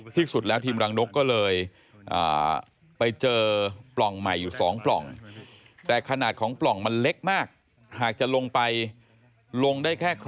ที่สุดแล้วทีมรังนกก็เลยไปเจอปล่องใหม่อยู่๒ปล่อง